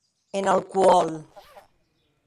En alcoòl.